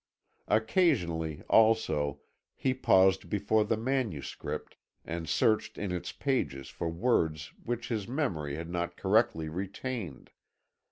Occasionally, also, he paused before the manuscript and searched in its pages for words which his memory had not correctly retained.